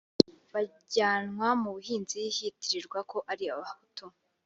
bajyanwa mu buhunzi hitirirwa ko ari abahutu